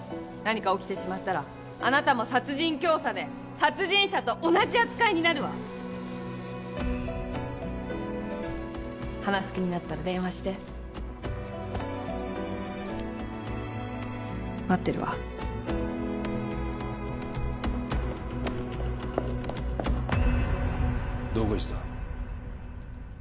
何か起きてしまったらあなたも殺人教唆で殺人者と同じ扱いになるわ話す気になったら電話して待ってるわどこ行ってた？